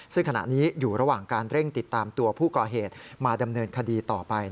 ซึ่งขณะนี้อยู่ระหว่างการเร่งติดตามตัวผู้ก่อเหตุมาดำเนินคดีต่อไป